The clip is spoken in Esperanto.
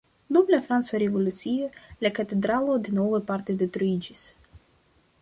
Dum la Franca Revolucio la katedralo denove parte detruiĝis.